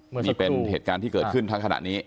นี่เป็นเหตุการณ์ที่เกิดขึ้นทั้งขณะนี้